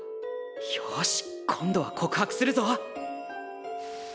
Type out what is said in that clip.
よし今度は告白するぞ！